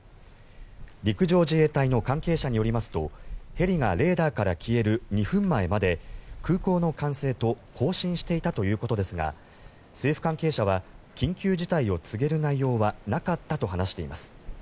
陸上自衛隊の関係者によりますとヘリがレーダーから消える２分前まで空港の管制と交信していたということですが政府関係者は緊急事態を告げる内容はなかったといいます。